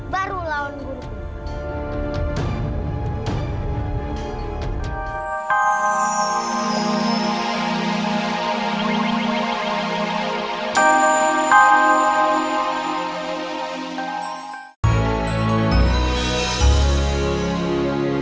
baru lawan guruku